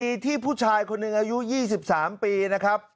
ที่ผู้ชายคนหนึ่งอายุ๒๓ปีนะครับ